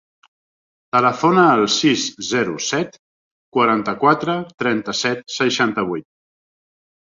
Telefona al sis, zero, set, quaranta-quatre, trenta-set, seixanta-vuit.